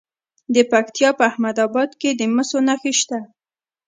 د پکتیا په احمد اباد کې د مسو نښې شته.